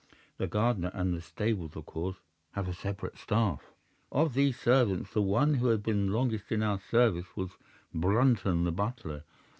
The garden and the stables of course have a separate staff. "'Of these servants the one who had been longest in our service was Brunton the butler.